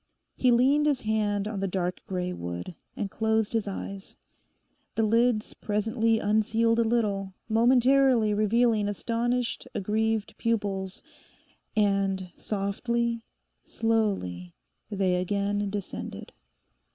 He leaned his hand on the dark grey wood, and closed his eyes. The lids presently unsealed a little, momentarily revealing astonished, aggrieved pupils, and softly, slowly they again descended....